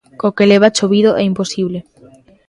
Co que leva chovido, é imposible.